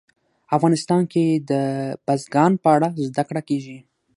افغانستان کې د بزګان په اړه زده کړه کېږي.